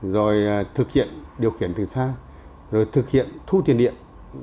rồi thực hiện điều khiển từ xa rồi thực hiện thu tiền điện